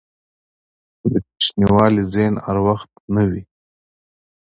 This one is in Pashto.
دکوچنیوالي ذهن هر وخت نه وي.